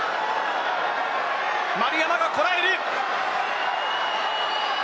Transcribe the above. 丸山がこらえる。